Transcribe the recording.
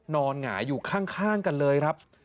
หงายอยู่ข้างกันเลยครับ